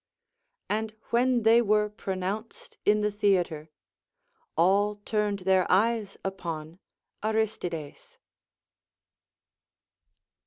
211 And when they were pronounced in the theatre, all turned their eyes upon Aristides.